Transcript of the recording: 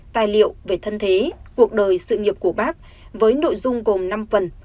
tài liệu về thân thế cuộc đời sự nghiệp của bác với nội dung gồm năm phần